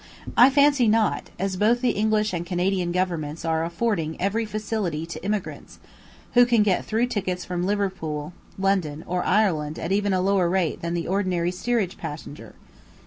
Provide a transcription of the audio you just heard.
I fancy not, as both the English and Canadian Governments are affording every facility to emigrants, who can get through tickets from London, Liverpool, or Ireland at even a lower rate than the ordinary steerage passenger.